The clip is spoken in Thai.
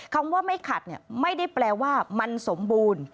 คำว่าไม่ขัดไม่ได้แปลว่ามันสมบูรณ์